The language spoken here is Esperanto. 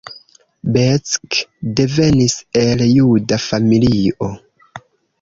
Beck devenis el juda familio.